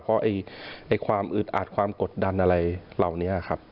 เพราะความอึดอัดความกดดันอะไรเหล่านี้ครับ